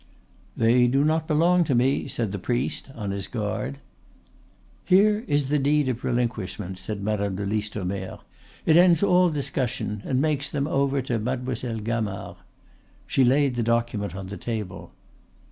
"They do not belong to me," said the priest, on his guard. "Here is the deed of relinquishment," said Madame de Listomere; "it ends all discussion, and makes them over to Mademoiselle Gamard." She laid the document on the table.